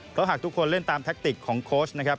เพราะหากทุกคนเล่นตามแท็กติกของโค้ชนะครับ